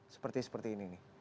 seperti seperti ini nih